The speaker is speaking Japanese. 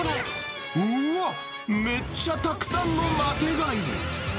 うわ、めっちゃたくさんのマテ貝。